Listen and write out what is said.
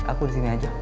aku di sini aja